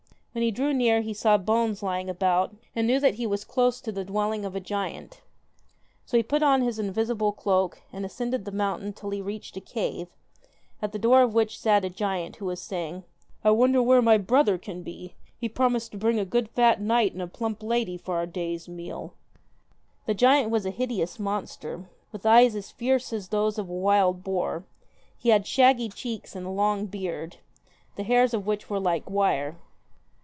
When he drew near he saw bones lying about, and knew that he was close to the dwelling of a giant. So he put on his invisible cloak, and ascended the mountain till he reached a cave, at the door of which sat a giant, who was saying :' I wonder where my brother can be. He promised to bring a good fat knight and a plump lady for our day's meal.' The giant was a hideous monster, with eyes as fierce as those of a wild boar; he had shaggy cheeks and a long beard, the hairs of which were like wire.